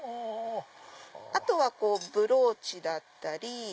あとはブローチだったり。